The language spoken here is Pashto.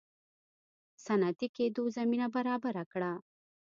صنعتي کېدو زمینه برابره کړه.